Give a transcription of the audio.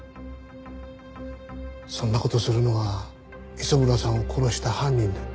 そんな事をするのは磯村さんを殺した犯人だよ。